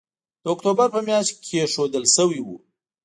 د اکتوبر په مياشت کې کېښودل شوی وو